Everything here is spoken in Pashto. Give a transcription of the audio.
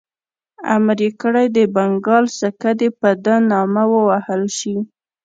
امر یې کړی د بنګال سکه دي په ده نامه ووهل شي.